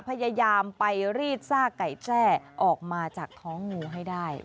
พยายามไปรีดซากไก่แจ้ออกมาจากท้องงูให้ได้